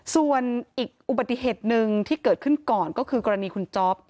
ส่วนอีกอุบัติเหตุหนึ่งที่เกิดขึ้นก่อนก็คือกรณีคุณจ๊อป